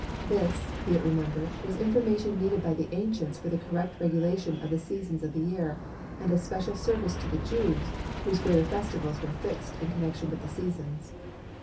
This, be it remembered, was information needed by the ancients for the correct regulation of the seasons of the year, and of special service to the Jews whose greater festivals were fixed in connection with the seasons.